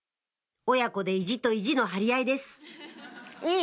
親子で意地と意地の張り合いですいい？